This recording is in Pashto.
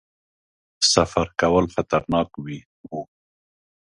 سفر کول خطرناک وو.